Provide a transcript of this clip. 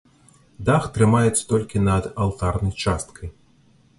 Дах трымаецца толькі над алтарнай часткай.